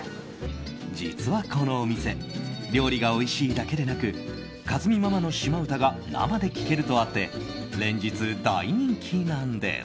実は、このお店料理がおいしいだけでなくかずみママの島唄が生で聴けるとあって連日、大人気なんです。